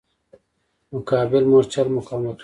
مقابل مورچل مقاومتونه دي.